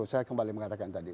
saya kembali mengatakan itu